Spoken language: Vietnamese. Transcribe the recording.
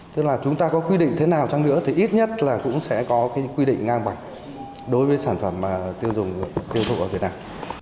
tức là chúng ta có quy định thế nào trong nước thì ít nhất là cũng sẽ có quy định ngang bằng đối với sản phẩm tiêu thụ ở việt nam